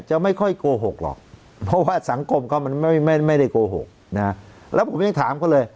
จะไม่ค่อยโกหกหรอกเพราะว่าสังคมเขามันไม่ได้โกหกนะแล้วผมยังถามเขาเลย